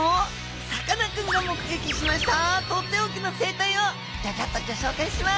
さかなクンが目撃しましたとっておきの生態をギョギョッとギョ紹介します！